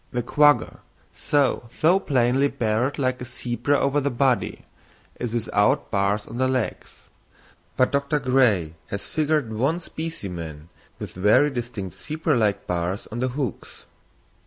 The quagga, though so plainly barred like a zebra over the body, is without bars on the legs; but Dr. Gray has figured one specimen with very distinct zebra like bars on the hocks.